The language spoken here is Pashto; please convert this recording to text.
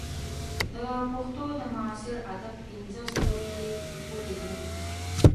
د پښتو د معاصر ادب پنځه ستوري دې وپېژني.